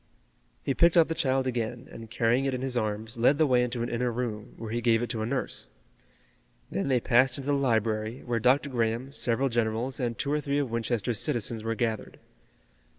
He picked up the child again, and carrying it in his arms, led the way into an inner room, where he gave it to a nurse. Then they passed into the library, where Dr. Graham, several generals and two or three of Winchester's citizens were gathered.